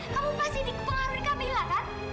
kamu pasti di pengaruhi kamila kan